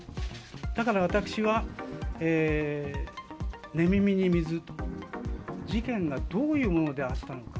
だから私は寝耳に水、事件がどういうものであったのか。